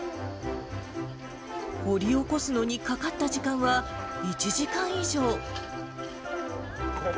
掘り起こすのにかかった時間は１時間以上。